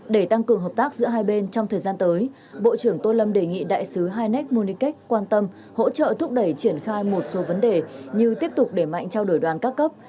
để tăng cường hợp tác giữa hai bên trong thời gian tới bộ trưởng tô lâm đề nghị đại sứ hai net monikech quan tâm hỗ trợ thúc đẩy triển khai một số vấn đề như tiếp tục để mạnh trao đổi đoàn các cấp